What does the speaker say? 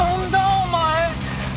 お前！